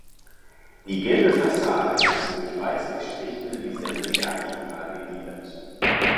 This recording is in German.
Die gelbe Fassade ist durch weiß gestrichene Lisenen vertikal gegliedert.